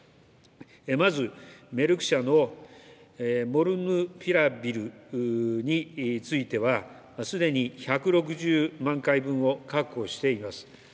まず、メルク社のモルヌピラビルについては、すでに１６０万回分を確保しています。